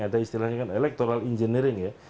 ada istilahnya kan electoral engineering ya